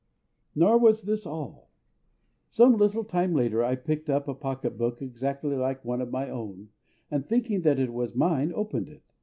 Nor was this all. Some little time after, I picked up a pocket book exactly like one of my own, and thinking that it was mine, opened it.